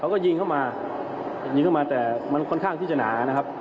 เขาก็ยิงเข้ามายิงเข้ามาแต่มันค่อนข้างที่จะหนานะครับ